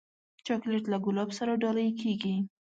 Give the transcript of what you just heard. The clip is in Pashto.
چاکلېټ له ګلاب سره ډالۍ کېږي.